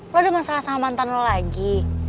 lo udah masalah sama mantan lo lagi